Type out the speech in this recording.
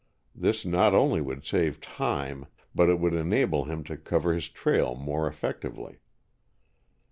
This not only would save time, but it would enable him to cover his trail more effectively.